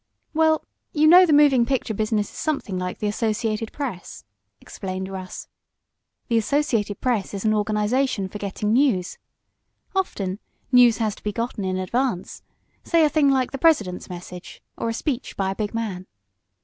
"Well, you know the moving picture business is something like the Associated Press," explained Russ. "The Associated Press is an organization for getting news. Often news has to be gotten in advance say a thing like the President's message, or a speech by a big man.